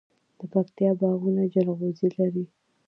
د پکتیکا باغونه جلغوزي لري.